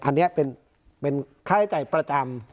อันนี้เป็นค่าใช้จ่ายประจำ